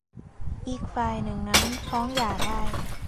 อีกฝ่ายหนึ่งนั้นฟ้องหย่าได้